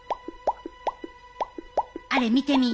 あれ見てみ。